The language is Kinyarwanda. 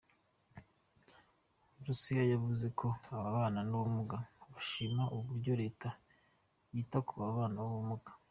Rusiha yavuze ko ababana n’ubumuga bashima uburyo Leta yita ku babana n’ubumuga.